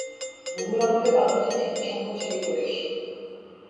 মুঘল আমলে বাংলা ছিল সবচেয়ে সম্পদশালী প্রদেশ।